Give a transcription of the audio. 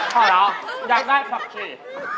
ฝ่าแล้วอยากได้ฟักชี